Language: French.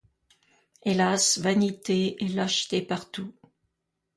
Hélas, vanité et lâcheté partout.